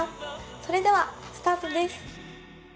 それではスタートです。